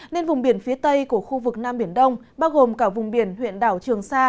nên vùng biển phía tây của khu vực nam biển đông bao gồm cả vùng biển huyện đảo trường sa